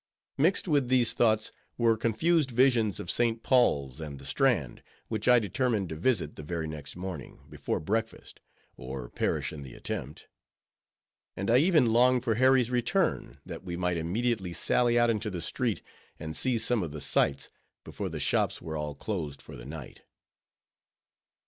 Mixed with these thoughts were confused visions of St. Paul's and the Strand, which I determined to visit the very next morning, before breakfast, or perish in the attempt. And I even longed for Harry's return, that we might immediately sally out into the street, and see some of the sights, before the shops were all closed for the night.